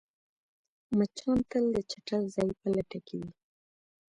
مچان تل د چټل ځای په لټه کې وي